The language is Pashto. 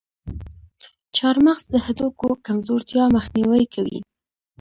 چارمغز د هډوکو کمزورتیا مخنیوی کوي.